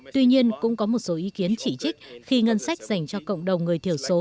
tuy nhiên cũng có một số ý kiến chỉ trích khi ngân sách dành cho cộng đồng người thiểu số